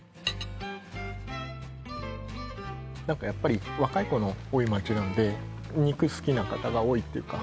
何かやっぱり若い子の多い街なんで肉好きな方が多いっていうか